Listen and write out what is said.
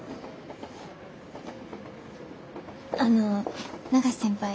あの永瀬先輩